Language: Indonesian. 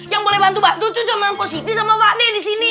yang boleh bantu bantu cuma yang positif sama pak d disini